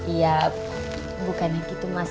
iya bukan yang gitu mas